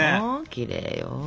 きれいよ。